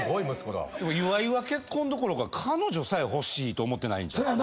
岩井は結婚どころか彼女さえ欲しいと思ってないんちゃう？